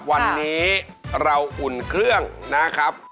วันนี้เราอุ่นเครื่องนะครับ